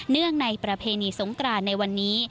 ในประเพณีสงกรานในวันนี้